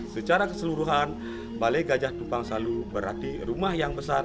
secara keseluruhan balai gajah tumpang salu berarti rumah yang besar